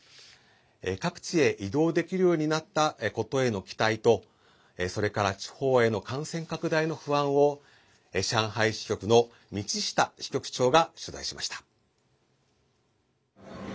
各地へ移動できるようになったことへの期待とそれから地方への感染拡大の不安を上海支局の道下支局長が取材しました。